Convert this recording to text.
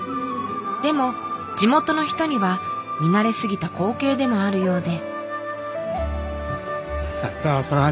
でも地元の人には見慣れ過ぎた光景でもあるようで。